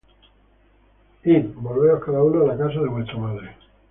Andad, volveos cada una á la casa de su madre